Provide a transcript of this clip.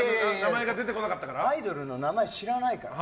アイドルの名前、知らないから。